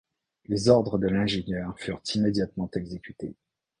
Les ordres de l’ingénieur furent immédiatement exécutés.